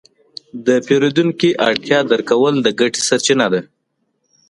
د پیرودونکي اړتیا درک کول د ګټې سرچینه ده.